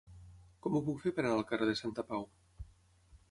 Com ho puc fer per anar al carrer de Santapau?